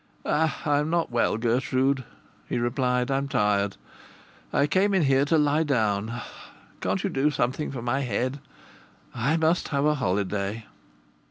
"I'm not well, Gertrude," he replied. "I'm tired. I came in here to lie down. Can't you do something for my head? I must have a holiday."